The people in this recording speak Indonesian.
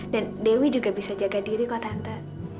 dan dewi juga bisa jaga diri kok tante